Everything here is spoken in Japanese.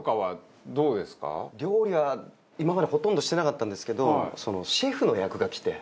料理は今までほとんどしてなかったんですけどシェフの役がきて。